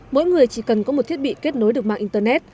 mỗi người chỉ cần có một thiết bị kết nối được mạng internet